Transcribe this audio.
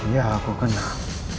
ya aku kenal